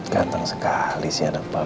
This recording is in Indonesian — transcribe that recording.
ganteng sekali sih anak papa ini